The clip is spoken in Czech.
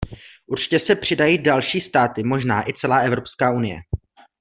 Určitě se přidají další státy, možná i celá Evropská unie.